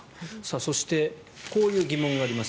そしてこういう疑問があります。